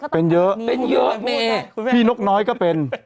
เป็นเยอะเป็นเยอะพี่นกน้อยก็เป็น